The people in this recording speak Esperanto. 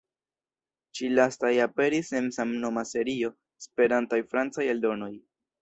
Ĉi-lastaj aperis en samnoma serio "Esperantaj francaj eldonoj".